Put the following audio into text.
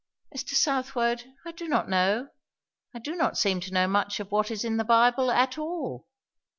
"Mr. Southwode, I do not know. I do not seem to know much of what is in the Bible, at all!"